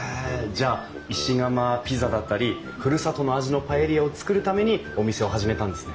じゃあ石窯ピザだったりふるさとの味のパエリアを作るためにお店を始めたんですね？